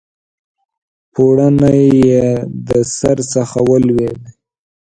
پوړنی یې د سر څخه ولوېدی